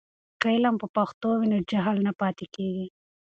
که علم په پښتو وي نو جهل نه پاتې کېږي.